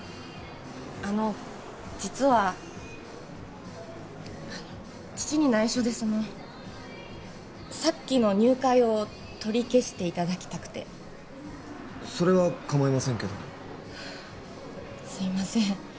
あの実はあの父に内緒でそのさっきの入会を取り消していただきたくてそれは構いませんけどすいません